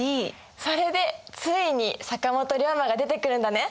それでついに坂本龍馬が出てくるんだね。